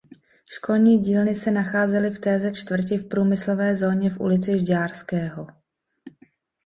Školní dílny se nacházely v téže čtvrti v průmyslové zóně v ulici Žďárského.